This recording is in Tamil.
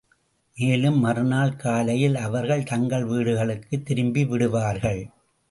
மேலும் மறுநாள் காலையில் அவர்கள் தங்கள் வீடுகளுக்குத் திரும்பிவிடுவார்கள்.